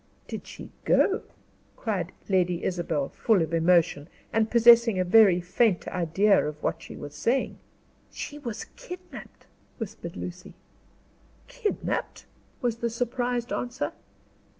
"Did she go?" cried Lady Isabel, full of emotion, and possessing a very faint idea of what she was saying. "She was kidnapped," whispered Lucy. "Kidnapped!" was the surprised answer.